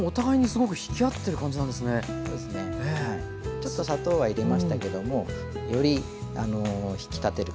ちょっと砂糖は入れましたけどもより引き立てる感じになりますね。